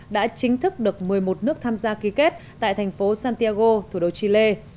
đã chính thức được một mươi một nước tham gia ký kết tại thành phố santiago thủ đô chile